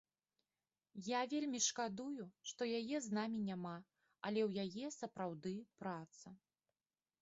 Я вельмі шкадую, што яе з намі няма, але ў яе сапраўды праца.